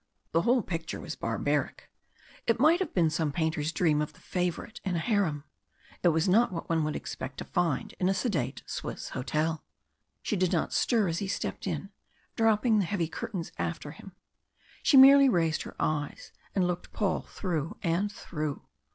The whole picture was barbaric. It might have been some painter's dream of the Favourite in a harem. It was not what one would expect to find in a sedate Swiss hotel. She did not stir as he stepped in, dropping the heavy curtains after him. She merely raised her eyes, and looked Paul through and through.